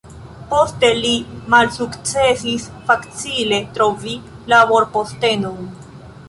Poste li malsukcesis facile trovi laborpostenon.